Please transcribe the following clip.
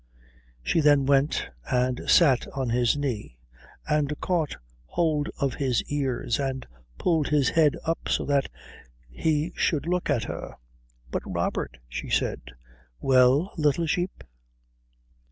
She then went and sat on his knee and caught hold of his ears and pulled his head up so that he should look at her. "But Robert " she said. "Well, little sheep?"